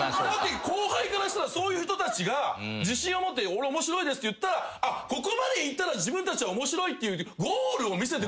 だって後輩からしたらそういう人たちが自信を持って俺面白いですって言ったらここまでいったら自分たちは面白いって。